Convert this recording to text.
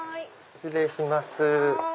失礼します。